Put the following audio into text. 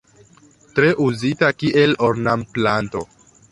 Tre uzita kiel ornamplanto.